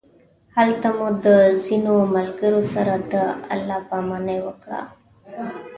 هلته مو د ځینو ملګرو سره د الله پامانۍ وکړ.